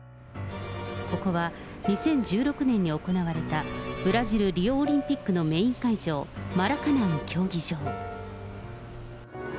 ここは２０１６年に行われたブラジル・リオオリンピックのメイン会場、マラカナン競技場。